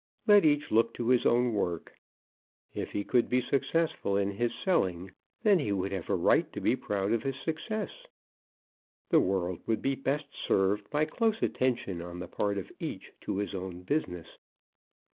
Let each look to his own work. If he could be successful in his selling, then he would have a right to be proud of his success. The world would be best served by close attention on the part of each to his own business.